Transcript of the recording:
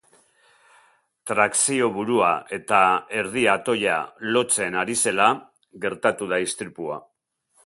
Trakzio-burua eta erdi-atoia lotzen ari zela gertatu da istripua.